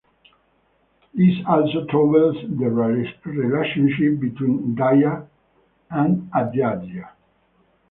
This also troubles the relationship between Diya and Aditya.